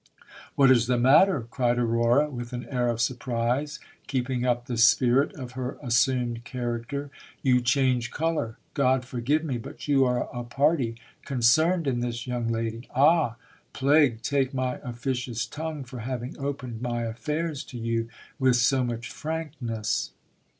What is the matter ? cried Aurora, with an air of surprise, keeping up the spirit of her assumed character. You change colour ! God forgive me, but you are a party concerned in this young lady. Ah ! Plague take my officious tongue for having opened my affairs to you with so much frankness.